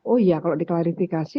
oh iya kalau di klarifikasi